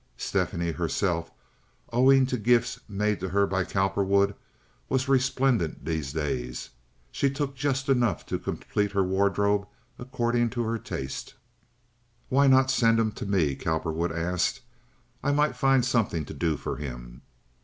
Stephanie herself, owing to gifts made to her by Cowperwood, was resplendent these days. She took just enough to complete her wardrobe according to her taste. "Why not send him to me?" Cowperwood asked. "I might find something to do for him."